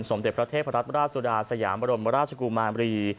สมเด็จพระเทพรัตนราชสุดาสยามบรมราชกุมารี